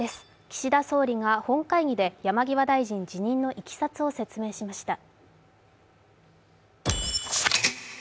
岸田総理が本会議で山際大臣、辞任のいきさつを説明しました。